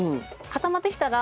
固まってきたら？